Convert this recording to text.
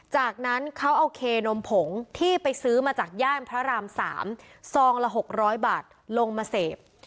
จากนั้นเขาเอาเคนมผงที่ไปซื้อมาจากย่านพระราม๓ซองละ๖๐๐บาทลงมาเสพ